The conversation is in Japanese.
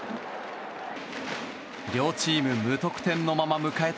両チーム無得点のまま迎えた